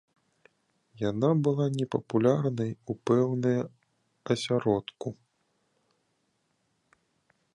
Яна была непапулярнай у пэўныя асяродку.